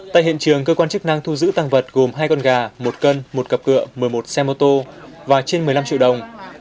tại hiện trường cơ quan chức năng thu giữ tăng vật gồm hai con gà một cân một cặp cửa một mươi một xe mô tô và trên một mươi năm triệu đồng